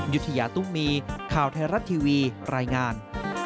ยุธยาตุ้มมีข่าวไทยรัฐทีวีรายงาน